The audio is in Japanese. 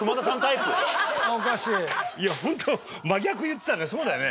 いやホント真逆言ってたね